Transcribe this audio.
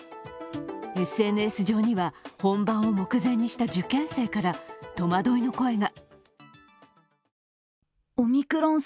ＳＮＳ上には、本番を目前にした受験生から戸惑いの声が。